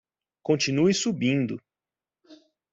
Continue subindo